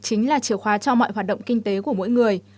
chính là chiều khóa cho mọi hoạt động kinh tế của mỗi người